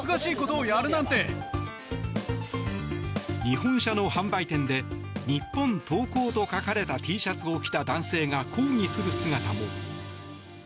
日本車の販売店で「日本投降」と書かれたＴシャツを着た男性が抗議する姿も。